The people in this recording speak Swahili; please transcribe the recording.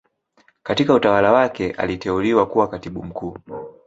Katika utawala wake aliteuliwa kuwa katibu mkuu